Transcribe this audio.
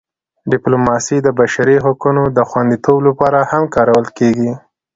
ډیپلوماسي د بشري حقونو د خوندیتوب لپاره هم کارول کېږي.